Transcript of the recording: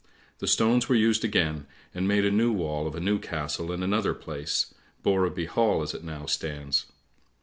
The stones were used again, and made a new wall of a new castle in another place, Borreby Hall as it now stands.